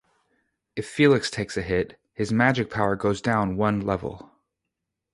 If Felix takes a hit, his magic power goes down one level.